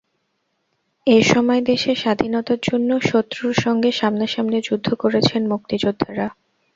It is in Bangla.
এ সময় দেশে স্বাধীনতার জন্য শত্রুর সঙ্গে সামনাসামনি যুদ্ধ করেছেন মুক্তিযোদ্ধারা।